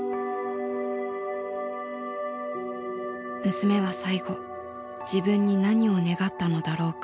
娘は最期自分に何を願ったのだろうか？